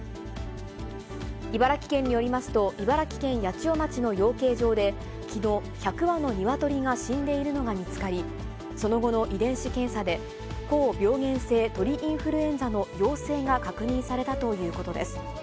茨城県によりますと、茨城県八千代町の養鶏場で、きのう、１００羽の鶏が死んでいるのが見つかり、その後の遺伝子検査で、高病原性鳥インフルエンザの陽性が確認されたということです。